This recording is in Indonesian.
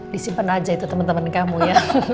disimpan aja itu teman teman kamu ya